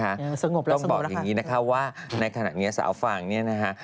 สงบแล้วสงบแล้วค่ะต้องบอกอย่างนี้นะครับว่าในขณะนี้สาวฟางนี้นะคะ